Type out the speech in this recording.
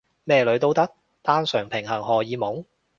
咩女都得？單純平衡荷爾蒙？